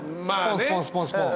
まあね。